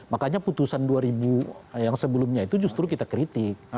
makanya putusan dua ribu yang sebelumnya itu justru kita kritik